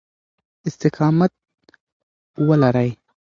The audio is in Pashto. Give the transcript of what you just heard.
استقامت ولرئ.